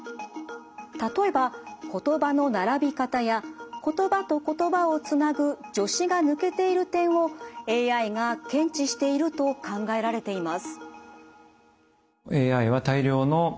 例えば言葉の並び方や言葉と言葉をつなぐ助詞が抜けている点をＡＩが検知していると考えられています。